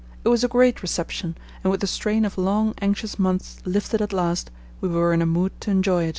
It was a great reception, and with the strain of long, anxious months lifted at last, we were in a mood to enjoy it.